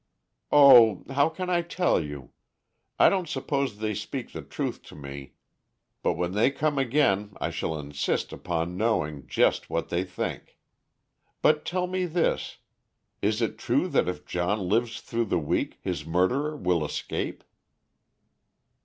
"Oh, how can I tell you? I don't suppose they speak the truth to me, but when they come again I shall insist upon knowing just what they think. But tell me this: is it true that if John lives through the week his murderer will escape?"